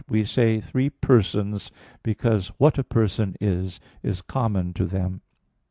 we say, "Three persons," because what a person is, is common to them.